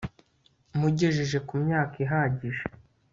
mugejeje ku myaka ihagije